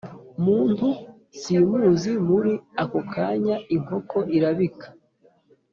muntu simuzi Muri ako kanya inkoko irabika